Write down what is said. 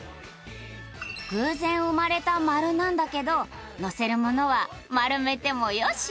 偶然生まれた「丸」なんだけどのせるものは丸めてもよし！